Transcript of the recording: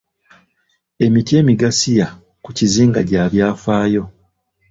Emiti emigasiya ku kizinga gya byafaayo.